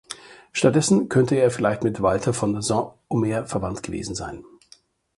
Stattdessen könnte er vielleicht mit Walter von Saint-Omer verwandt gewesen sein.